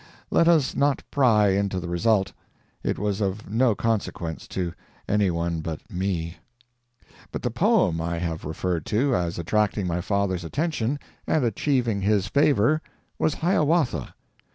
Let us not pry into the result; it was of no consequence to any one but me. But the poem I have referred to as attracting my father's attention and achieving his favour was "Hiawatha."